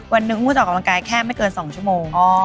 วันหนึ่งอู้จะออกกำลังกายแค่ไม่เกิน๒ชั่วโมง